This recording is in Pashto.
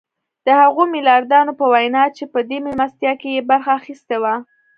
د هغو ميلياردرانو په وينا چې په دې مېلمستيا کې يې برخه اخيستې وه.